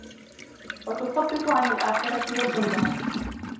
وَتُثَبِّطُ عَنْ الْآخِرَةِ وَالْأُولَى